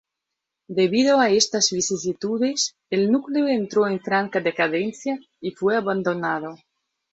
Debido a estas vicisitudes, el núcleo entró en franca decadencia y fue abandonado.